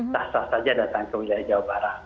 tata tata saja datang ke wilayah jawa barat